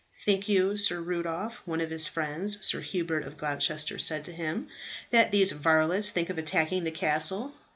"Think you, Sir Rudolph," one of his friends, Sir Hubert of Gloucester, said to him, "that these varlets think of attacking the castle?"